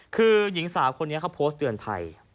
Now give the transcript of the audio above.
คือหญิงสาวคนนี้เขาโพสต์เตือนภัย